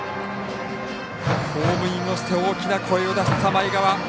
ホームインをして大きな声を出した前川。